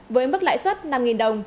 với mức lãi suất năm đồng